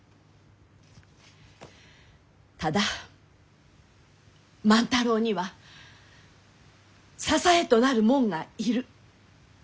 ただ万太郎には支えとなる者が要る。